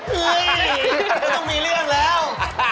เฮ้ยไม่ต้องมีเรื่องแล้ว